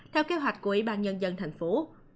theo kế hoạch của ủy ban nhân dân thành phố